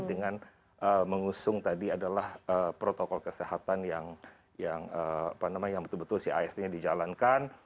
dengan mengusung tadi adalah protokol kesehatan yang betul betul cisd nya dijalankan